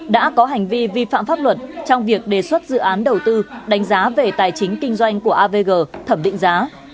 đã có hành vi vi phạm pháp luật trong việc đề xuất dự án đầu tư đánh giá về tài chính kinh doanh của avg thẩm định giá